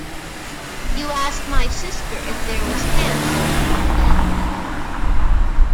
You asked my sister if there was cancer in the family.